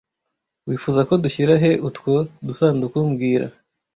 Wifuza ko dushyira he utwo dusanduku mbwira